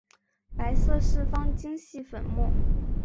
白色四方晶系粉末。